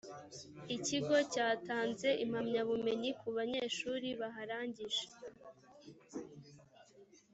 ikigo cyatanze impamyabumenyi ku banyeshuri baharangije